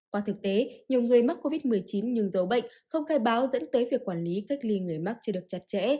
qua thực tế nhiều người mắc covid một mươi chín nhưng dấu bệnh không khai báo dẫn tới việc quản lý cách ly người mắc chưa được chặt chẽ